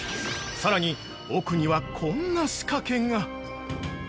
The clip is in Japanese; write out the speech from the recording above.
◆さらに、奥はこんな仕掛けが。